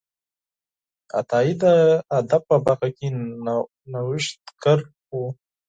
عطایي د ادب په برخه کې نوښتګر و.